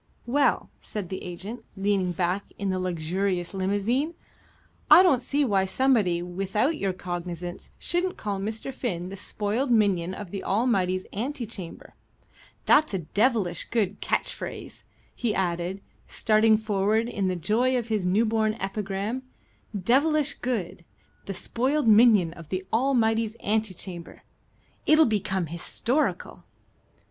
"Well," said the agent, leaning back in the luxurious limousine, "I don't see why somebody, without your cognizance, shouldn't call Mr. Finn the spoiled minion of the Almighty's ante chamber. That's a devilish good catch phrase," he added, starting forward in the joy of his newborn epigram: "Devilish good. 'The spoiled minion of the Almighty's ante chamber.' It'll become historical."